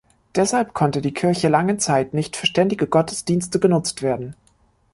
Deshalb konnte die Kirche lange Zeit nicht für ständige Gottesdienste genutzt werden.